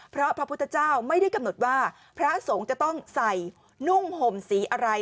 เพราะพระพุทธเจ้าไม่ได้กำหนดว่าพระสงฆ์จะต้องใส่นุ่งห่มสีอะไร